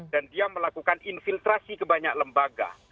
dan dia melakukan infiltrasi kebanyak lembaga